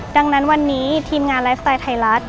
ดังนั้นวันนี้ทีมงานไลฟ์สไตล์ไทยรัฐ